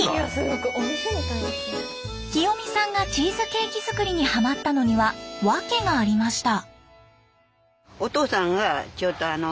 清美さんがチーズケーキ作りにハマったのには訳がありました。